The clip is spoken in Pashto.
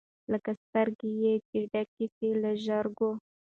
لکه سترګي چي یې ډکي سي له ژرګو